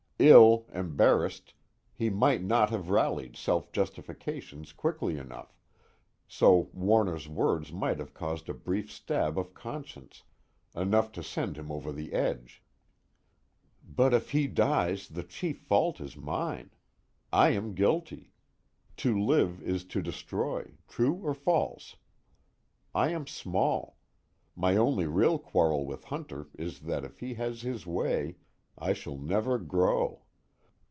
Ill, embarrassed, he might not have rallied self justifications quickly enough, so Warner's words might have caused a brief stab of conscience, enough to send him over the edge. _But if he dies the chief fault is mine. I am guilty. To live is to destroy true or false? I am small; my only real quarrel with Hunter is that if he has his way I shall never grow.